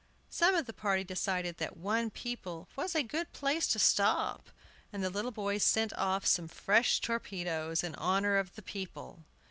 Some of the party decided that "one people" was a good place to stop, and the little boys sent off some fresh torpedoes in honor of the people.